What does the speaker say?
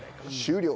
終了！